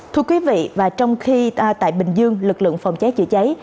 thưa quý vị và trong khi tại bình dương lực lượng phòng cháy chữa cháy